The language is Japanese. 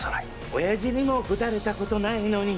おやじにもぶたれたことないのに！